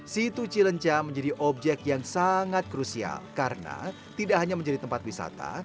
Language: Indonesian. situ cilenca menjadi objek yang sangat krusial karena tidak hanya menjadi tempat wisata